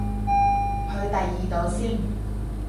去第二度先